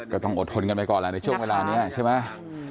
ก็ต้องอดทนกันไปก่อนแหละในช่วงเวลานี้ใช่ไหม